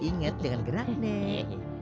ye inget jangan gerak nek